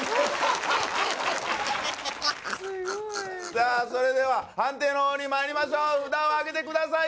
さあそれでは判定のほうにまいりましょう札をあげてください